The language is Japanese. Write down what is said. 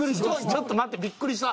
ちょっと待ってびっくりした。